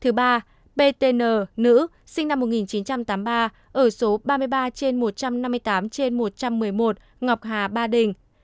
thứ ba btn nữ sinh năm một nghìn chín trăm tám mươi ba ở số ba mươi ba trên một trăm năm mươi tám trên một trăm một mươi một ngọc hà ba đình